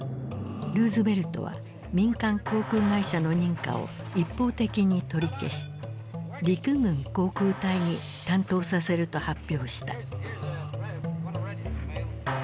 ルーズベルトは民間航空会社の認可を一方的に取り消し陸軍航空隊に担当させると発表した。